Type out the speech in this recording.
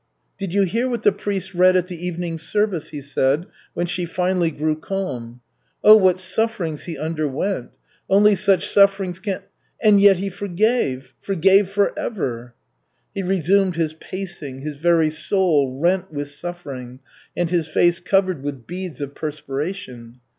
"Did you hear what the priest read at the evening service?" he said, when she finally grew calm. "Oh, what sufferings He underwent! Only such sufferings can And yet He forgave, forgave forever!" He resumed his pacing, his very soul rent with suffering and his face covered with beads of perspiration.